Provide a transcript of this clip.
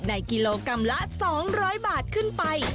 ในกิโลกรัมละ๒๐๐บาทขึ้นไป